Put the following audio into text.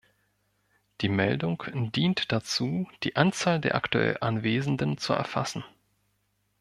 Die Meldung dient dazu, die Anzahl der aktuell Anwesenden zu erfassen.